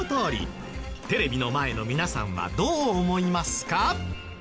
テレビの前の皆さんはどう思いますか？